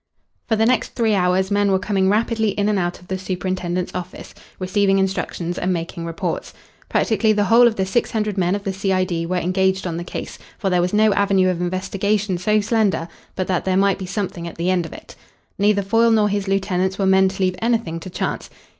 For the next three hours men were coming rapidly in and out of the superintendent's office, receiving instructions and making reports. Practically the whole of the six hundred men of the C.I.D. were engaged on the case, for there was no avenue of investigation so slender but that there might be something at the end of it. Neither Foyle nor his lieutenants were men to leave anything to chance.